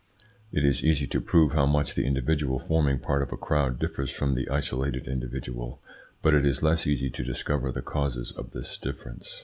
It is easy to prove how much the individual forming part of a crowd differs from the isolated individual, but it is less easy to discover the causes of this difference.